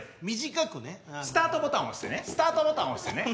スタートボタン押してねスタートボタン押してね。